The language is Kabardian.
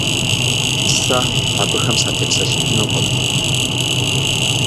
Сэ абыхэм сатепсэлъыхьынукъым.